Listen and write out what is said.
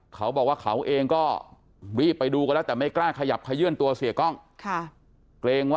เขาบอกว่าเขาเองก็รีบไปดูกันแล้วแต่ไม่กล้าขยับขยื่นตัวเสียกล้อง